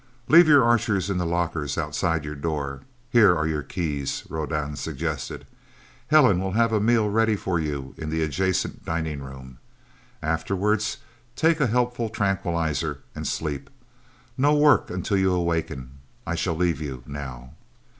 "Leave your Archers in the lockers outside your door here are your keys," Rodan suggested. "Helen will have a meal ready for you in the adjacent dining room. Afterwards, take a helpful tranquilizer, and sleep. No work until you awaken. I shall leave you, now..."